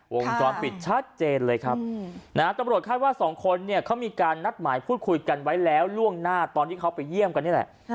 วงจรปิดชัดเจนเลยครับนะฮะตำรวจคาดว่าสองคนเนี่ยเขามีการนัดหมายพูดคุยกันไว้แล้วล่วงหน้าตอนที่เขาไปเยี่ยมกันนี่แหละ